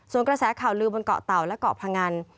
ส่วนกระแสข่าวลือบนเกาะเต่าและเกาะพงัน